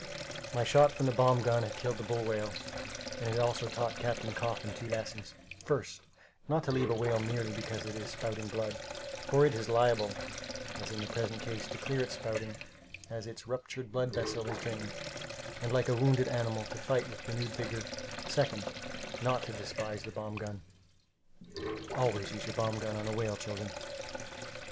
My shot from the bomb gun had killed the bull whale, and it had also taught Captain Coffin two lessons: First, not to leave a whale merely because it is spouting blood, for it is liable, as in the present case, to clear its spouting, as its ruptured blood vessel is drained, and like a wounded animal, to fight with renewed vigor; second, not to despise the bomb gun. Always use your bomb gun on a whale, children.